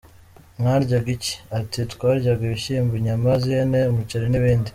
Mwaryaga iki?” Ati “Twaryaga ibishyimbo, inyama z’ihene, umuceri n’ibindi.